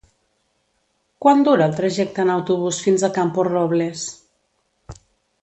Quant dura el trajecte en autobús fins a Camporrobles?